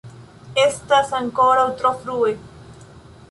Estas ankoraŭ tro frue.